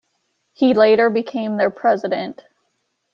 He later became their president.